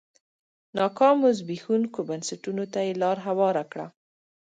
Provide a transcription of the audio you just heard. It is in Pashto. ناکامو زبېښونکو بنسټونو ته یې لار هواره کړه.